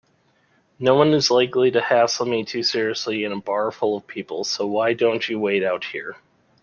Noone is likely to hassle me too seriously in a bar full of people, so why don't you wait out here?